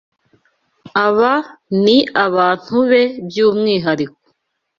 Aba ni abantu be by’umwihariko